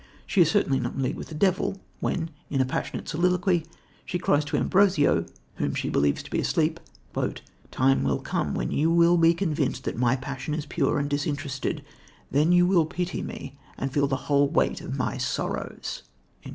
She is certainly not in league with the devil, when, in a passionate soliloquy, she cries to Ambrosio, whom she believes to be asleep: "The time will come when you will be convinced that my passion is pure and disinterested. Then you will pity me and feel the whole weight of my sorrows."